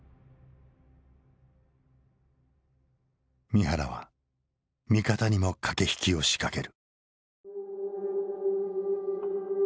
三原は味方にも駆け引きを仕掛ける。